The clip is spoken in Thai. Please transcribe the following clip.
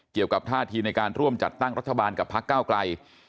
เกี่ยวกับท่าทีในการร่วมจัดตั้งรัฐบาลกับพักเก้าไกล